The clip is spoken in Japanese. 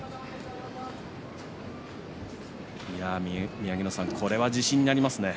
宮城野さん、これは自信になりますね。